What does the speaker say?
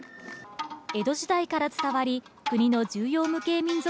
江戸時代から伝わり、国の重要無形民俗